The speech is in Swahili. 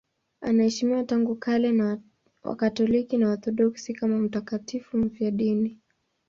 Anaheshimiwa tangu kale na Wakatoliki na Waorthodoksi kama mtakatifu mfiadini.